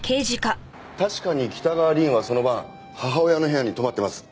確かに北川凛はその晩母親の部屋に泊まってます。